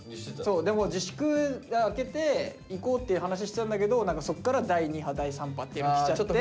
でも自粛明けて行こうっていう話してたんだけど何かそこから第２波第３波ってきちゃって。